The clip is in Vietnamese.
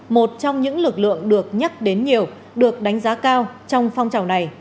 một trong những lực lượng được nhắc đến nhiều được đánh giá cao trong phong trào này